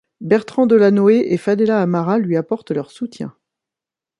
Bertrand Delanoë et Fadela Amara lui apportent leur soutien.